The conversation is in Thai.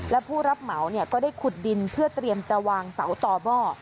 และผู้รับเหมาก็ได้ขุดดินเพื่อเตรียมจะวางเสาต่อหม้อ